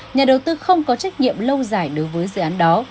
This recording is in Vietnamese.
nhà đầu tư không có trách nhiệm lâu dài đối với dự án đó